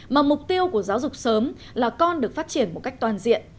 mà mục tiêu của giáo dục sớm là con được phát triển một cách toàn diện